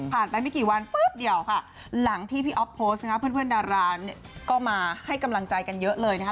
ไปไม่กี่วันปุ๊บเดียวค่ะหลังที่พี่อ๊อฟโพสต์นะคะเพื่อนดาราเนี่ยก็มาให้กำลังใจกันเยอะเลยนะคะ